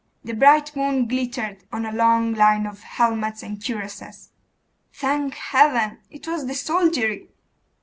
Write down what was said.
The bright moon glittered on a long line of helmets and cuirasses. Thank Heaven! it was the soldiery.